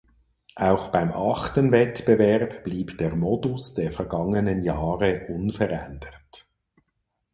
Auch beim achten Wettbewerb blieb der Modus der vergangenen Jahre unverändert.